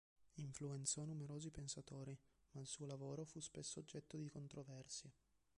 Influenzò numerosi pensatori, ma il suo lavoro fu spesso oggetto di controversie.